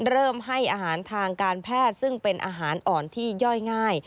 เริ่มให้อาหารทางการแพทย์ซึ่งเป็นอาหารอ่อนที่ย่อยง่าย